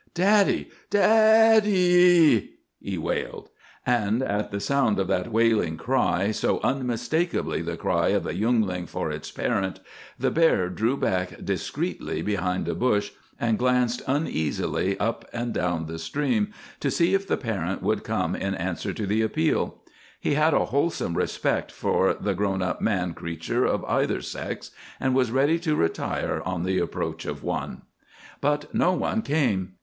"Daddy! Daddee ee!" he wailed. And at the sound of that wailing cry, so unmistakably the cry of a youngling for its parent, the bear drew back discreetly behind a bush, and glanced uneasily up and down the stream to see if the parent would come in answer to the appeal. He had a wholesome respect for the grown up man creature of either sex, and was ready to retire on the approach of one. But no one came.